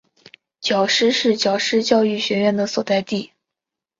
皎施是皎施教育学院的所在地。